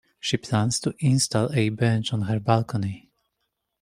She plans to install a bench on her balcony.